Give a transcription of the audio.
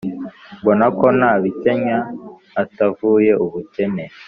mbona ko nta bikenya atavuye ubukene